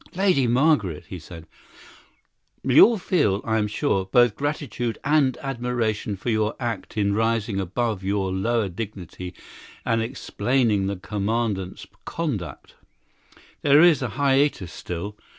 "Lady Margaret," he said, "we all feel, I am sure, both gratitude and admiration for your act in rising above your lower dignity and explaining the Commandant's conduct. But there is a hiatus still.